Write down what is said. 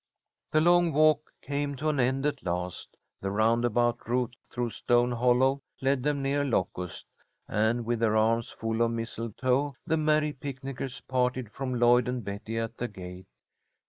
The long walk came to an end at last. The roundabout route through Stone Hollow led them near Locust, and, with their arms full of mistletoe, the merry picnickers parted from Lloyd and Betty at the gate.